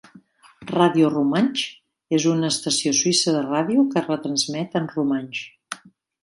Radio Rumantsch és una estació suïssa de ràdio que retransmet en romanx.